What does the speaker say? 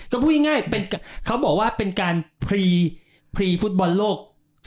ก็พูดง่ายเขาบอกว่าเป็นการพรีฟุตบอลโลก๒๐